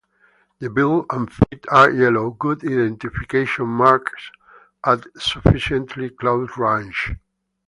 The bill and feet are yellow, good identification marks at sufficiently close range.